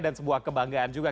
dan sebuah kebanggaan juga